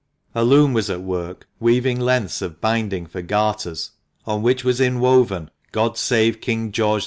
A loom was at work weaving lengths of binding for garters, on which was inwoven "God save King George IV.